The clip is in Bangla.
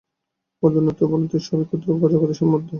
আমাদের উন্নতি ও অবনতি সবই এই ক্ষুদ্র জগতে সীমাবদ্ধ।